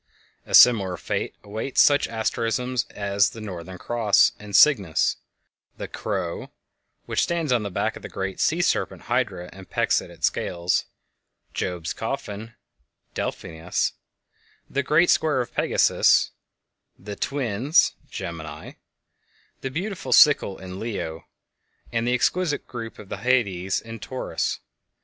A similar fate awaits such asterisms as the "Northern Cross" in Cygnus; the "Crow" (Corvus), which stands on the back of the great "Sea Serpent," Hydra, and pecks at his scales; "Job's Coffin" (Delphinus); the "Great Square of Pegasus"; the "Twins" (Gemini); the beautiful "Sickle" in Leo; and the exquisite group of the Hyades in Taurus.